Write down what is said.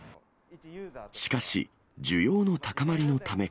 しかし、需要の高まりのためか。